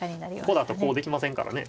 ここだとこうできませんからね。